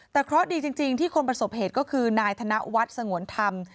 แต่เคราะห์ดีจริงที่คนประสบเหตุก็คือนายธนวัฒน์สงวนธรรม